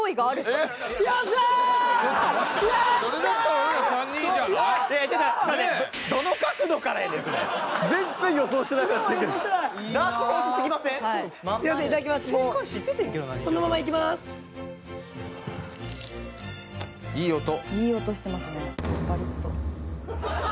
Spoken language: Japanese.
いい音してますねパリッと。